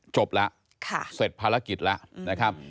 จบแล้วเสร็จภารกิจแล้วนะครับ